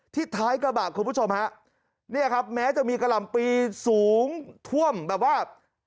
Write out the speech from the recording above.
ท้ายกระบะคุณผู้ชมฮะเนี่ยครับแม้จะมีกะหล่ำปีสูงท่วมแบบว่า